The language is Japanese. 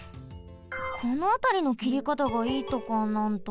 このあたりのきりかたがいいとかなんとか。